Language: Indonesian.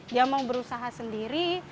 dia mau berusaha sendiri